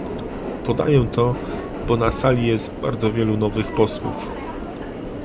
Podaję to, bo na sali jest bardzo wielu nowych posłów